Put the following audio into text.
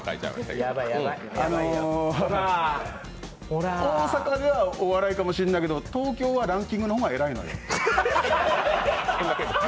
あの大阪ではお笑いかもしれんけど東京はランキングの方が偉いのよ。